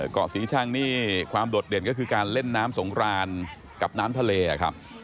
เกาะศรีชังนี่ความโดดเด่นก็คือการเล่นน้ำสงครานกับน้ำทะเลครับ